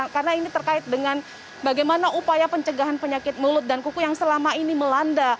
karena ini terkait dengan bagaimana upaya pencegahan penyakit mulut dan kuku yang selama ini melanda